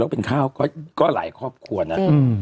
เป็นข้าวก็หลายครอบครัวนะ